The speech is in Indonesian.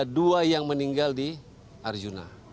ada tiga yang meninggal di arjuna